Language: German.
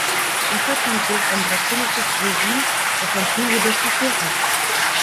In Schottland gilt ein drakonisches Regime, das sein Ziel jedoch verfehlt hat.